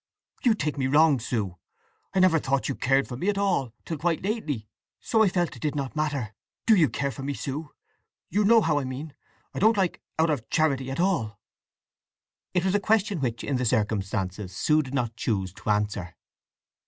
"You take me wrong, Sue! I never thought you cared for me at all, till quite lately; so I felt it did not matter! Do you care for me, Sue?—you know how I mean?—I don't like 'out of charity' at all!" It was a question which in the circumstances Sue did not choose to answer.